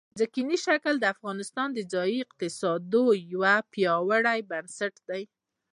ځمکنی شکل د افغانستان د ځایي اقتصادونو یو پیاوړی بنسټ دی.